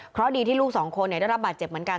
เพราะดีที่ลูกสองคนได้รับบาดเจ็บเหมือนกัน